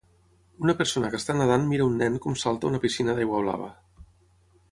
Una persona que està nedant mira un nen com salta a una piscina d'aigua blava.